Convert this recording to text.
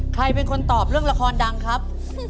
ใครเป็นคนตอบเรื่องละครดังครับ